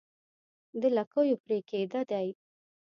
د لکيو پرې کېده دي